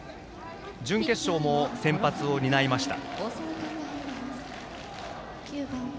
準決勝も先発を担いました。